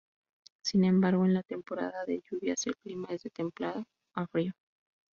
Sin embargo en la temporada de lluvias el clima es de templado a frío.